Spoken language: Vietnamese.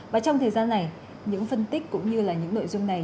và trong thời gian này những phân tích cũng như là những nội dung này